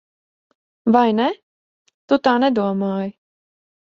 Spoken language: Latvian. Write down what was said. Vai ne? Tu tā nedomāji.